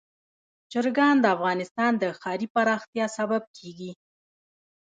چرګان د افغانستان د ښاري پراختیا سبب کېږي.